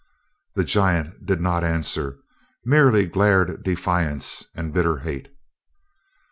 The giant did not answer, merely glared defiance and bitter hate.